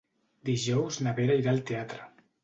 Dijous na Vera irà al teatre.